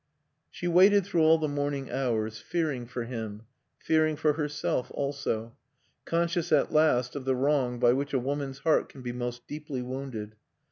She waited through all the morning hours, fearing for him, fearing for herself also; conscious at last of the wrong by which a woman's heart can be most deeply wounded.